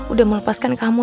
udah melepaskan kamu